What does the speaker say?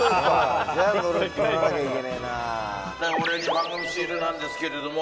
番組シールなんですけれども。